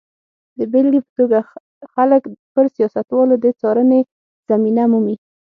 د بېلګې په توګه خلک پر سیاستوالو د څارنې زمینه مومي.